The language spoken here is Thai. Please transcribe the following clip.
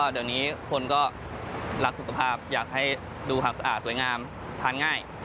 เดี๋ยวนี้คนก็รักสุขภาพอยากให้ดูสวยงามทานง่าย